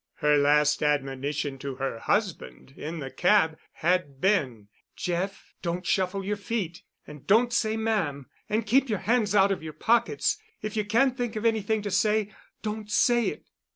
Her last admonition to her husband in the cab had been, "Jeff, don't shuffle your feet! And don't say 'ma'am.' And keep your hands out of your pockets! If you can't think of anything to say, don't say it."